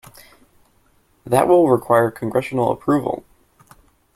That will require congressional approval.